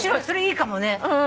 それいいかもね。